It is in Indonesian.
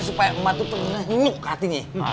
supaya emak tuh ternyuk hati nih